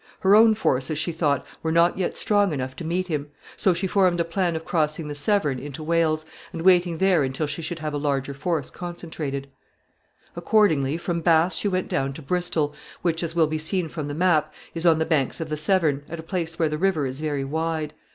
Her own forces, she thought, were not yet strong enough to meet him; so she formed the plan of crossing the Severn into Wales, and waiting there until she should have a larger force concentrated. [Sidenote: To Bristol.] [Sidenote: Endeavors to cross the river.] Accordingly, from Bath she went down to Bristol, which, as will be seen from the map, is on the banks of the Severn, at a place where the river is very wide.